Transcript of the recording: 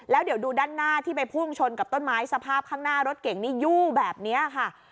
แล้วเดี๋ยวดูด้านหน้าที่ไปพุ่งชนกับต้นไม้สภาพข้างหน้ารถเก่งนี่ยู่แบบนี้ค่ะ